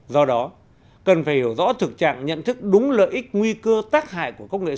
do đó cần phải hiểu rõ thực trạng nhận thức đúng lợi ích nguy cơ tác hại